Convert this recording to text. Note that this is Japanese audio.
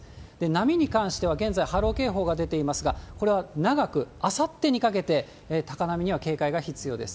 波に関しては現在、波浪警報が出ていますが、これは長く、あさってにかけて高波には警戒が必要です。